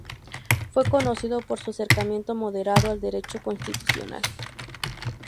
Fue conocido por su acercamiento moderado al Derecho Constitucional.